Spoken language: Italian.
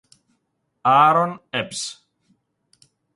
Aaron Epps